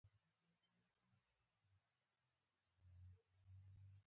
که دا لیدلوری وغواړي عامه قاعده شي.